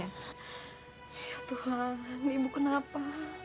ya tuhan ibu kenapa